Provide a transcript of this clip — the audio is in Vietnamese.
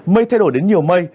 mây thay đổi đến nhiều mây